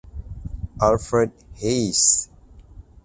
Alfred Hayes.